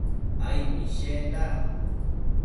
aid mishenda